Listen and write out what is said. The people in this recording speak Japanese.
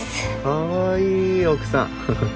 かわいい奥さんははっ。